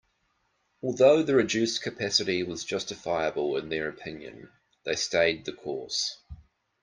Although the reduced capacity was justifiable in their opinion, they stayed the course.